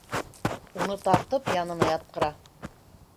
Уны тартып янына ятҡыра: